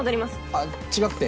あっ違くて。